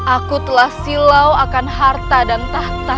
aku telah silau akan harta dan tahta